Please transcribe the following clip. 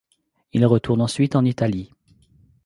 Il retourne ensuite en Italie.